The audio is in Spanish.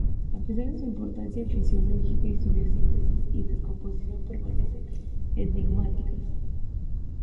A pesar de su importancia fisiológica su biosíntesis y deposición permanecen enigmáticas.